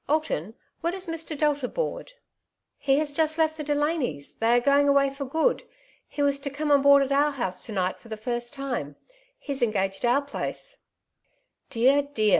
Alton, where does Mr. Delta board ?"" He has just left the Delanys' ; they are going away for good. He was to come and board at our house to night for the first time ; he's engaged our place/' "Dear, dear